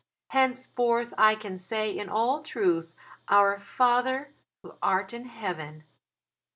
Henceforth I can say in all truth 'Our Father Who art in heaven.'"